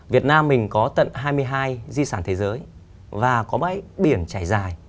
việt nam mình có tận hai mươi hai di sản thế giới và có bãi biển trải dài